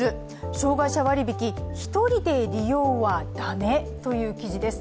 障害者割引、１人で利用は駄目という記事です。